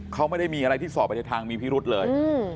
เขาไม่ได้มีอะไรที่สอบไปในทางมีพิรุษเลย